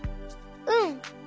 うん。